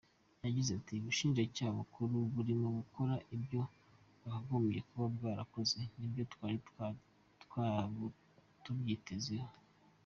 Yagize ati “Ubushinjacyaha bukuru burimo gukora ibyo bwakagombye kuba bwarakoze, nibyo twari tubwitezeho.